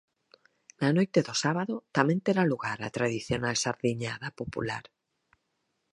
Na noite do sábado tamén terá lugar a tradicional Sardiñada Popular.